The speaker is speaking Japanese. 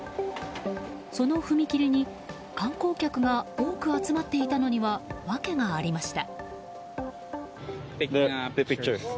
その踏切に観光客が多く集まっていたのには訳がありました。